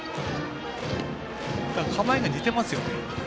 構えが似てますよね。